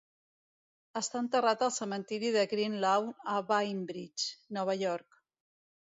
Està enterrat al cementiri de Greenlawn a Bainbridge, Nova York.